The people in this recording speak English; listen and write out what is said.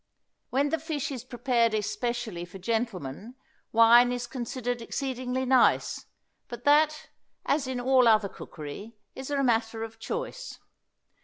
When the fish is prepared especially for gentlemen, wine is considered exceedingly nice, but that, as in all other cookery, is a matter of choice.